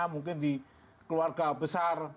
mungkin di keluarga besar